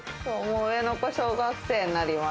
上の子、小学生になります。